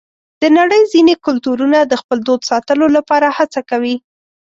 د نړۍ ځینې کلتورونه د خپل دود ساتلو لپاره هڅه کوي.